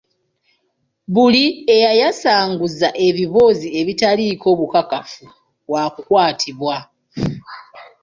Buli eyayasanguza ebiboozi ebitaliiko bukakafu waakukwatibwa.